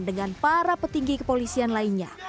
dengan para petinggi kepolisian lainnya